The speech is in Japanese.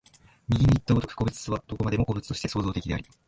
右にいった如く、個物はどこまでも個物として創造的であり、